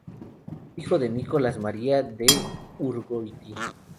Hijo de Nicolás María de Urgoiti.